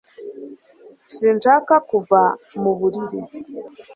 sinshaka kuva mu buriri